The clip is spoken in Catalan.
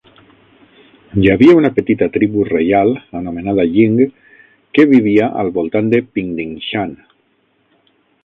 Hi havia una petita tribu reial anomenada Ying que vivia al voltant de Pingdingshan.